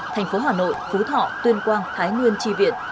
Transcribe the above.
thành phố hà nội phú thọ tuyên quang thái nguyên tri viện